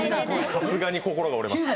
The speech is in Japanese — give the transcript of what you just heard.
さすがに心が折れます。